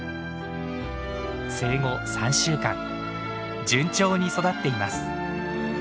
生後３週間順調に育っています。